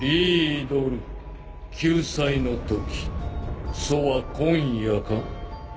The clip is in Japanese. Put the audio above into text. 救済の時そは今夜か？